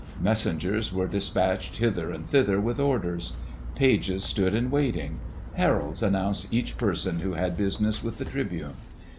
Messengers were despatched hither and thither with orders. Pages stood in waiting. Heralds announced each person who had business with the Tribune.